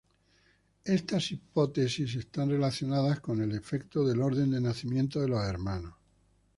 Estas hipótesis están relacionadas con el Efecto del orden de nacimiento de los hermanos.